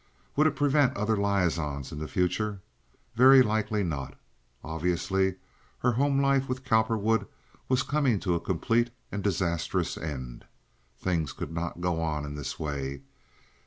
Would it prevent other liaisons in the future? Very likely not. Obviously her home life with Cowperwood was coming to a complete and disastrous end. Things could not go on in this way.